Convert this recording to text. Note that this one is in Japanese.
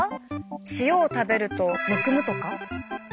塩を食べるとむくむとか？